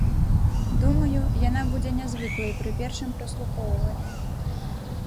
Думаю, яна будзе нязвыклай пры першым праслухоўванні.